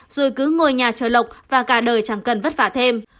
rồi cứ ngồi nhà chờ lộc và cả đời chẳng cần vất vả thêm